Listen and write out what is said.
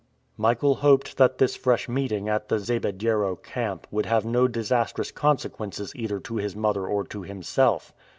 Michael hoped that this fresh meeting at the Zabediero camp would have no disastrous consequences either to his mother or to himself.